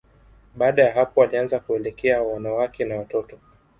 Baada ya hapo, walianza kuelekea wanawake na watoto.